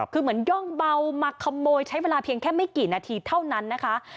คือเหมือนย่องเบามาขโมยใช้เวลาเพียงแค่ไม่กี่นาทีเท่านั้นนะคะ